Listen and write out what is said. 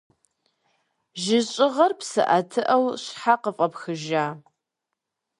Жьыщӏыгъэр псыӏэтыӏэу щхьэ къыфӏэпхыжа?